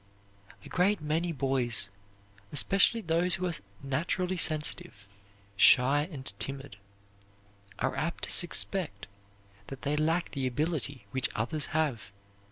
A great many boys, especially those who are naturally sensitive, shy, and timid, are apt to suspect that they lack the ability which others have.